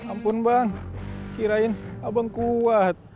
ampun bang kirain abang kuat